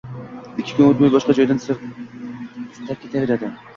ikki kun o‘tmay, boshqa joyidan sitrab ketaverdi.